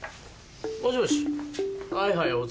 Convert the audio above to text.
はい。